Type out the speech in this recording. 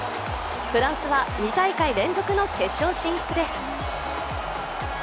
フランスは２大会連続の決勝進出です。